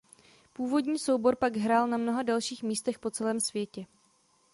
Původní soubor pak hrál na mnoha dalších místech po celém světě.